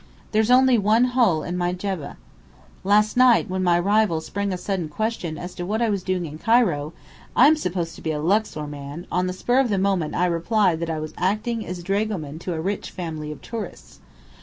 There's only one hole in my jebbah. Last night, when my rival sprang a sudden question as to what I was doing in Cairo (I'm supposed to be a Luxor man), on the spur of the moment I replied that I was acting as dragoman to a rich family of tourists.